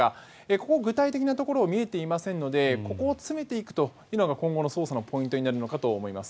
ここ、具体的なところは見えていませんのでここを詰めていくというのが今後の捜査のポイントになるかと思います。